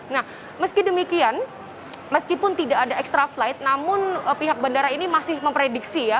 nah meski demikian meskipun tidak ada extra flight namun pihak bandara ini masih memprediksi ya